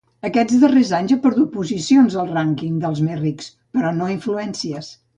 Aquests darrers anys ha perdut posicions al rànquing dels més rics, però no influències.